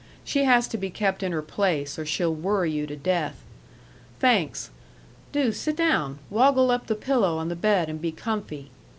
She has to be kept in her place or she'll worry you to death.... Thanks.... Do sit down woggle up the pillow on the bed and be comfy....